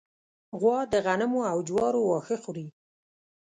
غوا د غنمو او جوارو واښه خوري.